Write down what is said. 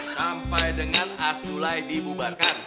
sampai dengan asdulai dibubarkan